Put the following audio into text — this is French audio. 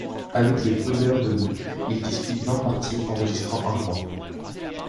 Avec les Brûleurs de loups, il dispute vingt parties, enregistrant un point.